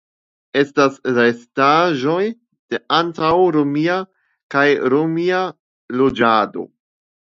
Estas restaĵoj de antaŭromia kaj romia loĝado.